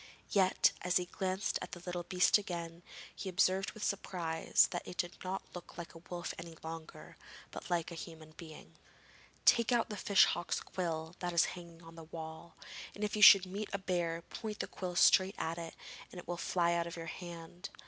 Yet, as he glanced at the little beast again, he observed with surprise that it did not look like a wolf any longer, but like a human being. 'Take out the fish hawk's quill that is hanging on the wall, and if you should meet a bear point the quill straight at it, and it will fly out of your hand.